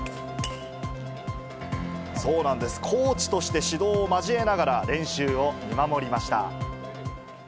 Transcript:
そうなんです、コーチとして指導を交えながら、練習を見守りました。